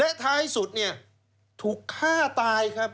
และท้ายสุดถูกฆ่าตายครับ